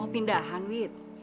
mau pindahan wid